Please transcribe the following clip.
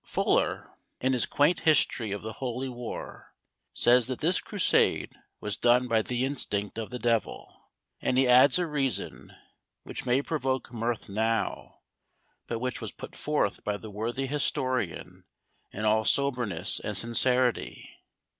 Fuller, in his quaint history of the Holy Warre, says that this Crusade was done by the instinct of the devil; and he adds a reason, which may provoke mirth now, but which was put forth by the worthy historian in all soberness and sincerity.